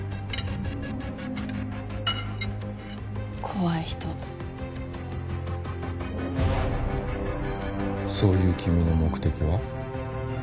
怖い人そういう君の目的は？